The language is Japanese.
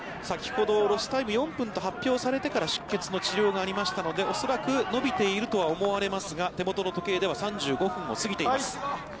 先ほどロスタイム４分と発表されてから出血の治療がありましたので恐らく延びているとは思われますが、手元の時計では、３５分を過ぎています。